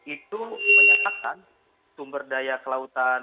itu menyatakan sumber daya kelautan